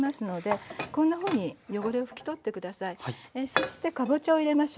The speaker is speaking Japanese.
そしてかぼちゃを入れましょう。